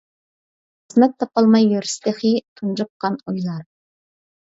خىزمەت تاپالماي يۈرسە تېخى. تۇنجۇققان ئۇيلار!